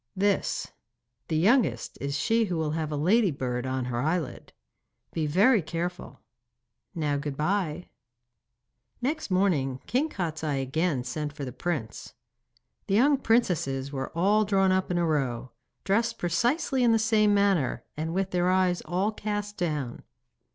'This. The youngest is she who will have a ladybird on her eyelid. Be very careful. Now good bye.' Next morning King Kostiei again sent for the prince. The young princesses were all drawn up in a row, dressed precisely in the same manner, and with their eyes all cast down.